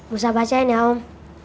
musa bacain ya om